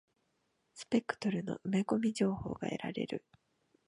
スペクトルの埋め込み情報が得られる。